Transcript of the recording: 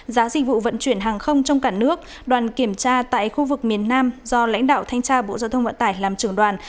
giá dịch vụ vận chuyển hàng không trong cả nước đoàn kiểm tra tại khu vực miền nam do lãnh đạo thanh tra bộ giao thông vận tải làm trưởng đoàn